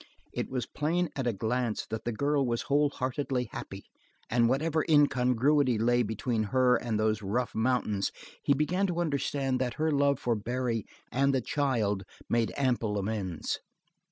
It was plain at a glance that the girl was whole heartedly happy, and whatever incongruity lay between her and these rough mountains he began to understand that her love for Barry and the child made ample amends.